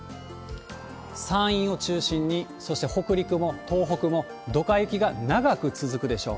山陰を中心に、そして北陸も東北もドカ雪が長く続くでしょう。